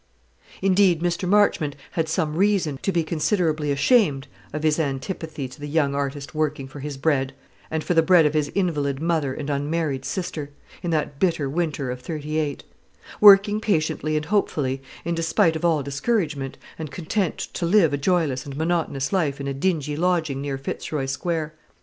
Indeed, Mr. Marchmont had some reason to be considerably ashamed of his antipathy to the young artist working for his bread, and for the bread of his invalid mother and unmarried sister, in that bitter winter of '38; working patiently and hopefully, in despite of all discouragement, and content to live a joyless and monotonous life in a dingy lodging near Fitzroy Square.